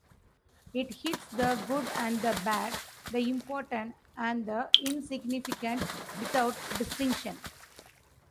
It hits the good and the bad, the important and the insignificant, without distinction.